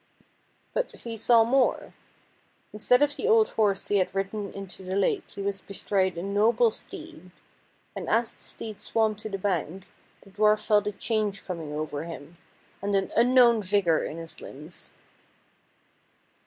But he saw more. Instead of the old horse he had ridden into the lake he was bestride a noble steed, and as the steed swam to the bank the dwarf felt a change coming over himself, and an unknown vigor in his limbs.